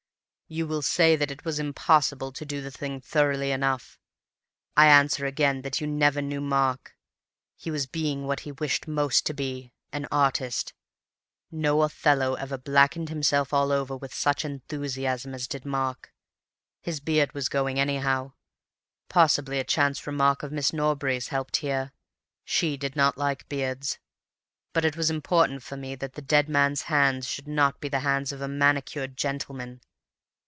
"You will say that it was impossible to do the thing thoroughly enough. I answer again that you never knew Mark. He was being what he wished most to be—an artist. No Othello ever blacked himself all over with such enthusiasm as did Mark. His beard was going anyhow—possible a chance remark of Miss Norbury's helped here. She did not like beards. But it was important for me that the dead man's hands should not be the hands of a manicured gentleman.